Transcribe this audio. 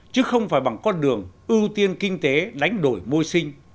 chứ không phải bằng con đường ưu tiên kinh tế đánh đổi môi sinh